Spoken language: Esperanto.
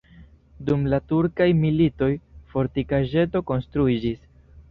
Dum la turkaj militoj fortikaĵeto konstruiĝis.